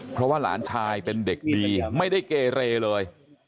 เพราะว่าหลานชายเป็นเด็กดีไม่ได้เกเรเลย